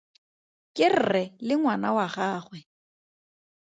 Ke rre le ngwana wa gagwe.